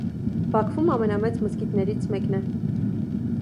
Բաքվում ամենամեծ մզկիթներից մեկն է։